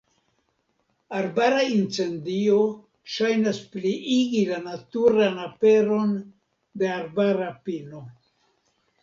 Arbara incendio ŝajnas pliigi la naturan aperon de arbara pino.